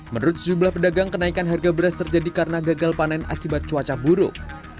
menurut sejumlah pedagang kenaikan harga beras terjadi karena gagal panen akibat cuaca buruk